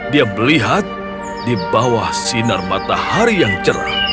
dia melihat di bawah sinar matahari yang cerah